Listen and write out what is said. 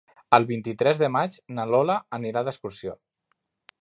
El vint-i-tres de maig na Lola anirà d'excursió.